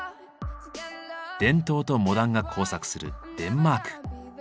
伝統とモダンが交錯するデンマーク。